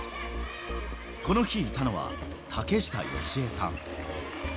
この日いたのは、竹下佳江さん。